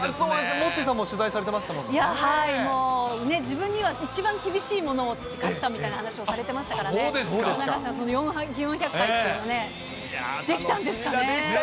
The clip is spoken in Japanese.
モッチーさんも取材されてまもうね、自分には一番厳しいものを課した課したみたいな話されてましたからね、永瀬さん、４００回というのはね、できたんですかね。